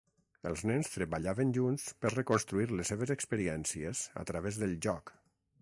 Els nens treballaven junts per reconstruir les seves experiències a través del joc.